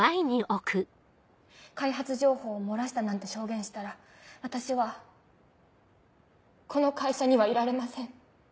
開発情報を漏らしたなんて証言したら私はこの会社にはいられません。